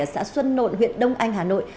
ở xã xuân nộn huyện đông anh hà nội